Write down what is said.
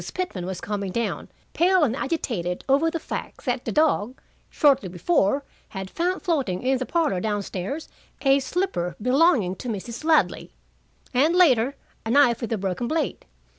Pitman was coming down, pale and agitated over the fact that the dog, shortly before, had found floating in the parlor down stairs a slipper belonging to Mrs. Ladley, and, later, a knife with a broken blade.